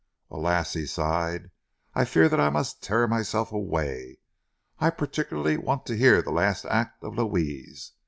"Alas!" he sighed, "I fear that I must tear myself away. I particularly want to hear the last act of 'Louise.'